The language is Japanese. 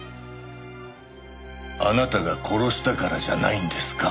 あなたが殺したからじゃないんですか？